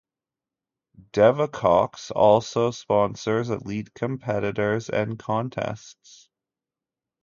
Devoucoux also sponsors elite competitors and contests.